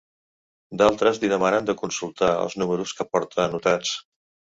D'altres li demanen de consultar els números que porta anotats.